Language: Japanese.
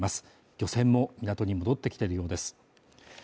漁船も港に戻ってきているようです